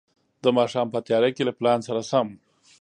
د ماښام په تياره کې له پلان سره سم.